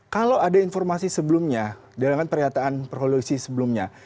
kalau ada informasi sebelumnya dengan pernyataan proklusi sebelumnya